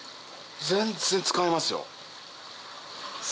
全然使えますよ。